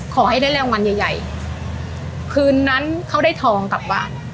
ขอให้ได้แรงมันใหญ่ไหวคืนนั้นเขาได้ทองกับว่า